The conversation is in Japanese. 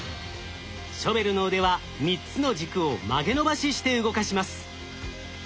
ショベルの腕は３つの軸を曲げ伸ばしして動かします。